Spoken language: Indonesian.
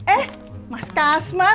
eh mas kasman